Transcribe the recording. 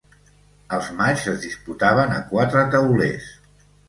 Els matxs es disputaven a quatre taulers.